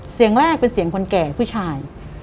เสียงแรกเป็นเสียงคนแก่ผู้ชาย